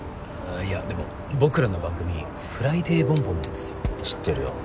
あぁいやでも僕らの番組「フライデーボンボン」なんですよ。知ってるよ。